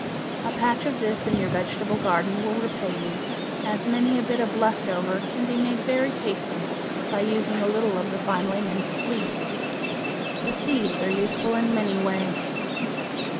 A patch of this in your vegetable garden will repay you, as many a bit of left over can be made very tasty by using a little of the finely minced leaf. The seeds are useful in many ways.